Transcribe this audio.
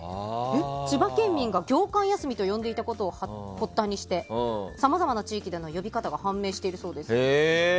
千葉県民が業間休みと呼んでいたことを発端にしてさまざまな地域での呼び方が判明しているそうです。